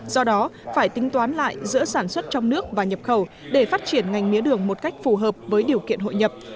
do đó phải tính toán lại giữa sản xuất trong nước và nhập khẩu để phát triển ngành mía đường một cách phù hợp với điều kiện hội nhập